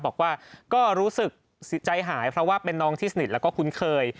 บอกว่าก็รู้สึกใจหายเพราะว่าเป็นน้องที่สนิทแล้วก็คุ้นเคย